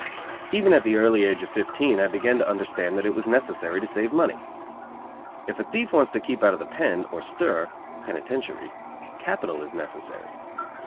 Even at the early age of fifteen I began to understand that it was necessary to save money. If a thief wants to keep out of the "pen" or "stir," (penitentiary) capital is a necessity.